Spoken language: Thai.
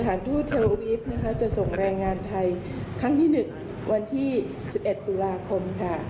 ทูตเทลวีฟนะคะจะส่งแรงงานไทยครั้งที่๑วันที่๑๑ตุลาคมค่ะ